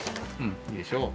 いいでしょう。